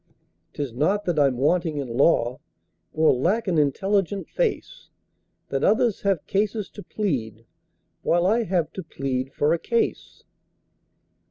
"'Tis not that I'm wanting in law, Or lack an intelligent face, That others have cases to plead, While I have to plead for a case.